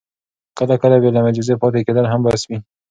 کله کله بې له معجزې پاتې کېدل هم بس وي.